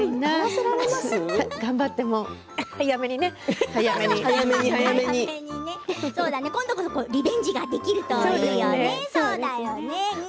そうだね、今度こそリベンジができるといいよね。